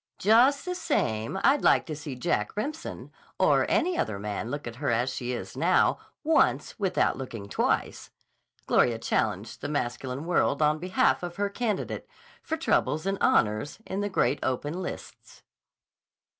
"Just the same I'd like to see Jack Remsen or any other man look at her as she is now once without looking twice," Gloria challenged the masculine world on behalf of her candidate for troubles and honors in the Great Open Lists.